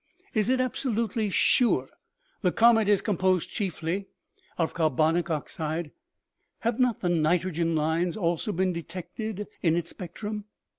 "Is it absolutely sure the comet is com posed chiefly of carbonic oxide ? Have not the nitrogen lines also been detected in its spectrum